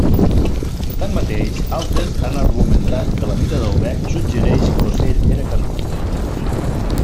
Tanmateix, altres han argumentat que la mida del bec suggereix que l'ocell era carnívor.